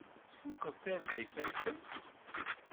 Tfukeḍ tarda n yifassen?